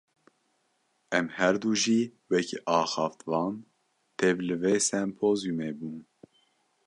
Em herdu jî, wekî axaftvan tev li vê sempozyûmê bûn